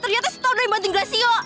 ternyata setau dari banting glasio